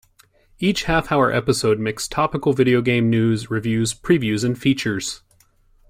Each half-hour episode mixed topical video game news, reviews, previews and features.